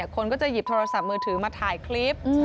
คนก็จะหยิบโทรศัพท์มือถือมาถ่ายคลิป